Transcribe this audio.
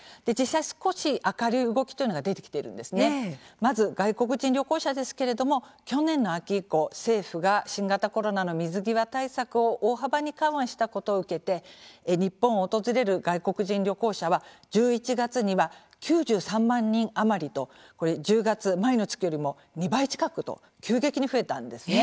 まず外国人旅行者ですけれども去年の秋以降政府が新型コロナの水際対策を大幅に緩和したことを受けて日本を訪れる外国人旅行者は１１月には９３万人余りとこれ１０月前の月よりも２倍近くと急激に増えたんですね。